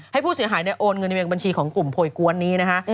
ให้ผู้เสียหายโอนเงินในเวียงบัญชีของกลุ่มโพยกวนนี้นะคะ